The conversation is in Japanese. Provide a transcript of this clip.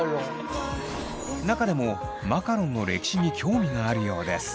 中でもマカロンの歴史に興味があるようです。